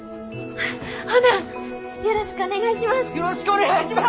ほなよろしくお願いします！